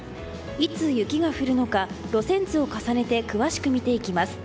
いつ雪が降るのか路線図を重ねて詳しく見ていきます。